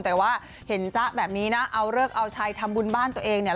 แต่ว่าเห็นจ๊ะแบบนี้นะเอาเลิกเอาชัยทำบุญบ้านตัวเองเนี่ย